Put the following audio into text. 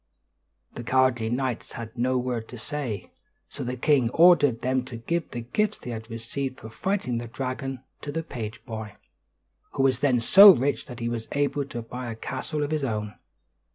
The cowardly knights had no word to say. So the king ordered them to give the gifts they had received for fighting the dragon to the page boy, who was then so rich that he was able to buy a castle of his own.